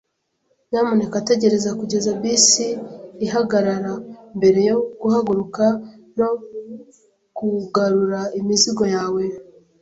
Nyamuneka tegereza kugeza bisi igeze ahagarara mbere yo guhaguruka no kugarura imizigo yawe.